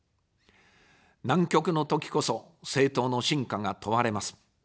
難局の時こそ、政党の真価が問われます。